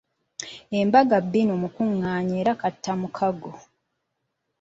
Embaga bbinu mukunggaanya era kattamukago.